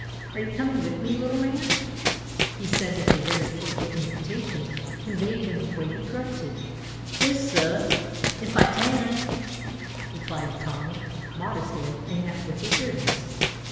" Are you coming with me, little man ?" he said, with a very cordial invitation conveyed in the Avay he grunted. "Iss, sir, if I tan," replied Tommy, modestly and yet with eagerness.